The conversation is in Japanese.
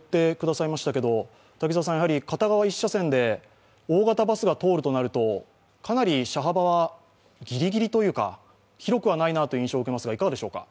片側１車線で大型バスが通るとなるとかなり車幅は、ぎりぎりというか広くはないなという印象を受けますがどうでしょうか。